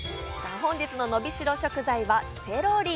本日ののびしろ食材はセロリ。